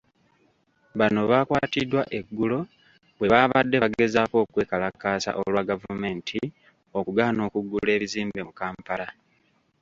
Bano baakwatiddwa eggulo bwebaabadde bagezaako okwekalakaasa olwa gavumenti okugaana okuggula ebizimbe mu Kampala.